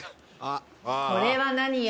これは何よ！